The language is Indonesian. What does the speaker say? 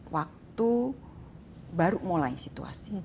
waktu baru mulai situasi